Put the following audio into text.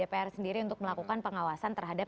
dpr sendiri untuk melakukan pengawasan terhadap